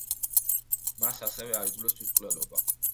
მას ასევე აიძულეს თვითმკვლელობა.